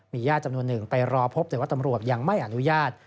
ญาติจำนวนหนึ่งไปรอพบแต่ว่าตำรวจยังไม่อนุญาต